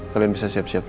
kalian bisa siap siap